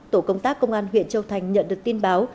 tổ công tác công an huyện châu thành nhận được tin báo